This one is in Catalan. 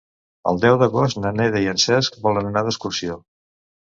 El deu d'agost na Neida i en Cesc volen anar d'excursió.